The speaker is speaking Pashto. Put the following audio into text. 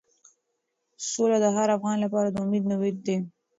سوله د هر افغان لپاره د امید نوید دی.